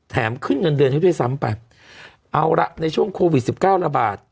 ขึ้นเงินเดือนให้ด้วยซ้ำไปเอาละในช่วงโควิดสิบเก้าระบาด